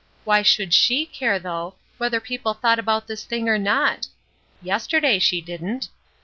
Why should she care, though, whether people thought about this thing or not? Yesterday she didn't.